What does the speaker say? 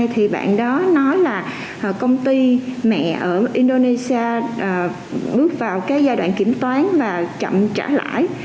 thì bạn đó nói là công ty mẹ ở indonesia bước vào cái giai đoạn kiểm toán và chậm trả lại